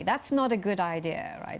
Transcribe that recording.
itu bukan ide yang baik